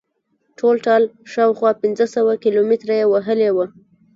ټولټال شاوخوا پنځه سوه کیلومتره یې وهلې وه.